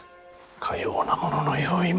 かようなものの用意も。